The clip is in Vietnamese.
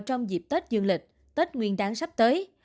trong dịp tết dương lịch tết nguyên đáng sắp tới